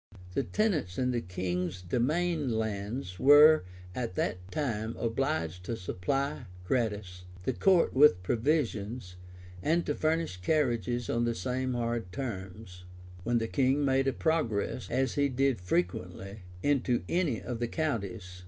The tenants in the king's demesne lands were at that time obliged to supply, gratis, the court with provisions, and to furnish carriages on the same hard terms, when the king made a progress, as he did frequently, into any of the counties.